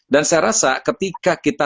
dan saya rasa ketika kita